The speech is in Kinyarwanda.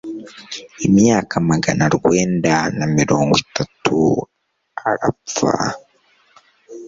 imyaka Magana urwenda na mirongo itatu arapfa…